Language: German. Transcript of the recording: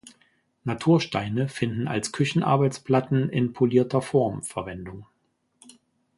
Natursteine finden als Küchenarbeitsplatten in polierter Form Verwendung.